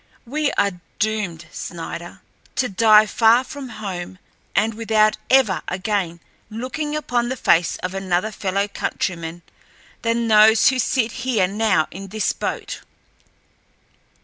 "We are doomed, Snider, to die far from home and without ever again looking upon the face of another fellow countryman than those who sit here now in this boat.